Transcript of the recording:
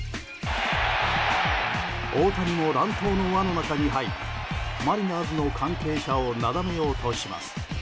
大谷も乱闘の輪の中に入りマリナーズの関係者をなだめようとします。